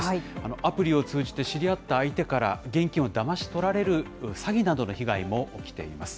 アプリを通じて知り合った相手から現金をだまし取られる詐欺などの被害も起きています。